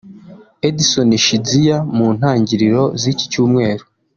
Edson Chidziya mu ntangiriro z’iki cyumweru